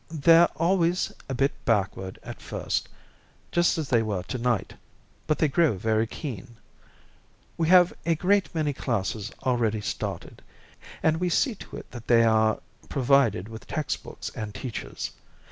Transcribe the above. "They're always a bit backward at first, just as they were tonight, but they grow very keen. We have a great many classes already started, and we see to it that they are provided with text books and teachers.